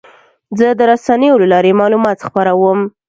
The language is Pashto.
زه د رسنیو له لارې معلومات خپروم.